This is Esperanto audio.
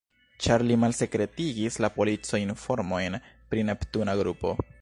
Ĉar li malsekretigis al polico informojn pri Neptuna grupo.